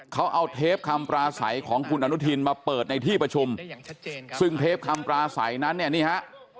เขาเอาเทปคำปราศัยของคุณอนุทินมาเปิดในที่ประชุมซึ่งเทปคำปราศัยนั้นเนี่ยนี่ฮะ